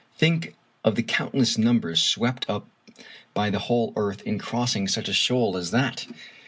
Think of the countless numbers swept up by the whole earth in crossing such a shoal as that!